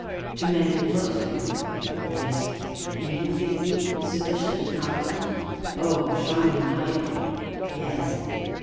"To mend your clothes for you." "Yes." "And you think me sufficiently competent?" "Oh, Charmian, I yes."